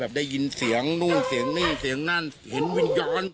ได้ยินเสียงนู่นเสียงนี่เสียงนั่นเห็นวิญญาณ